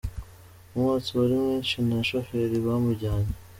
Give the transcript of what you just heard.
Umwotsi wari mwishi na shoferi bamujyanye.